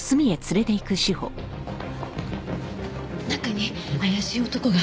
中に怪しい男が。